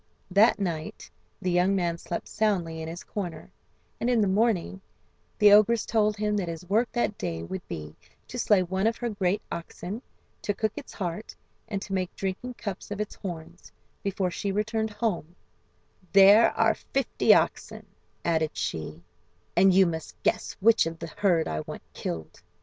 That night the young man slept soundly in his corner, and in the morning the ogress told him that his work that day would be to slay one of her great oxen, to cook its heart, and to make drinking cups of its horns, before she returned home "There are fifty oxen," added she, "and you must guess which of the herd I want killed.